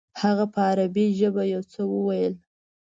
هغه په عربي ژبه یو څه وویل.